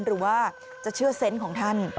หรือว่าจะเชื่อเซนต์ของท่าน